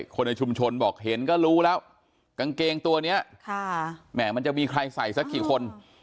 คนในชุมชนบอกเห็นก็รู้แล้วกางเกงตัวนี้แหม่มันจะมีใครใส่สักกี่คน